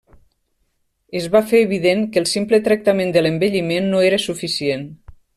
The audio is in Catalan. Es va fer evident que el simple tractament de l'envelliment no era suficient.